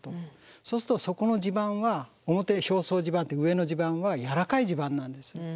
そうするとそこの地盤は表表層地盤って上の地盤は軟らかい地盤なんです。